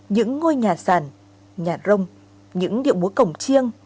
những ngôi nhà sàn nhà rông những điệu múa cổng chiêng